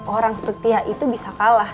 orang setia itu bisa kalah